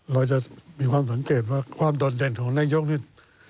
เราจะมีความสังเกตว่าความโดดเด่นของนายกนี่